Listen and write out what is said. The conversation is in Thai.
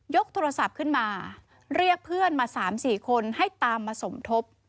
กโทรศัพท์ขึ้นมาเรียกเพื่อนมา๓๔คนให้ตามมาสมทบ